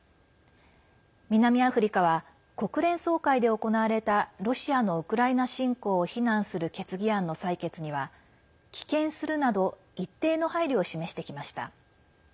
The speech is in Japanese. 南アフリカは国連総会で行われたロシアのウクライナ侵攻を非難する決議案の採決には棄権するなど一定の配慮を示してきました。